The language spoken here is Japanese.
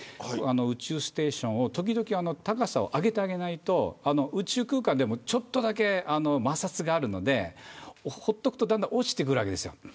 宇宙ステーションを時々、高さを上げてあげないと宇宙空間でもちょっとだけ摩擦があるのでほっとくとだんだん落ちてくるわけです。